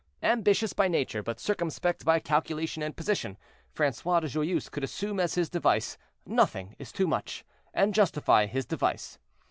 Ambitious by nature, but circumspect by calculation and position, Francois de Joyeuse could assume as his device, "Nothing is too much," and justify his device.